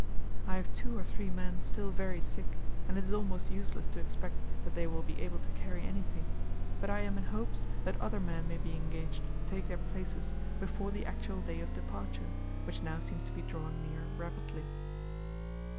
I have two or three men still very sick, and it is almost useless to expect that they will be able to carry anything, but I am in hopes that other men may be engaged to take their places before the actual day of departure, which now seems to be drawing near rapidly.